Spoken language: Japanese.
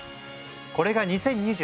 これが２０２３年